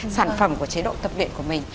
sản phẩm của chế độ tập luyện của mình